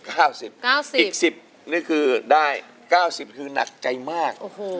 ๙๐เปอร์เซ็นต์อีก๑๐นี่คือได้๙๐เปอร์เซ็นต์คือนักใจมาก